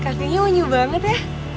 kakinya unyu banget ya